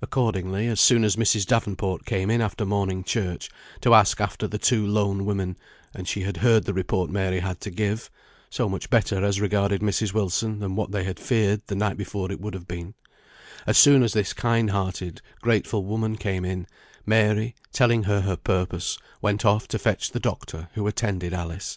Accordingly, as soon as Mrs. Davenport came in after morning church, to ask after the two lone women, and she had heard the report Mary had to give (so much better as regarded Mrs. Wilson than what they had feared the night before it would have been) as soon as this kind hearted, grateful woman came in, Mary, telling her her purpose, went off to fetch the doctor who attended Alice.